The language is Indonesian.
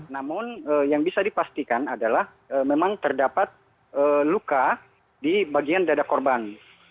namun yang bisa dipastikan adalah memang terdapat luka di bagian dada korban